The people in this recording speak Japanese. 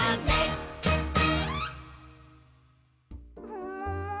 ももも？